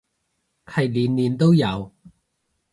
係年年都有